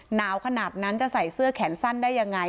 หนาวขนาดนั้นจะใส่เสื้อแขนสั้นได้ยังไง